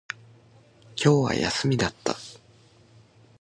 今日は休みだった